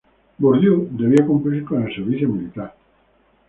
Bourdieu debió cumplir con el servicio militar.